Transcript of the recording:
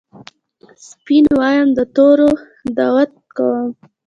سپین وایم د تورو عداوت کوم